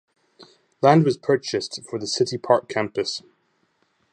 Land was purchased for the City Park Campus.